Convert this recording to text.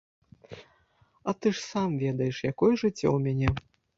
А ты ж сам ведаеш, якое жыццё ў мяне.